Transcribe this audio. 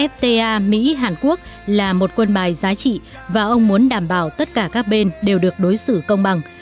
fta mỹ hàn quốc là một quân bài giá trị và ông muốn đảm bảo tất cả các bên đều được đối xử công bằng